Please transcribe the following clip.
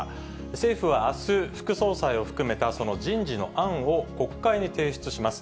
政府はあす、副総裁を含めたその人事の案を国会に提出します。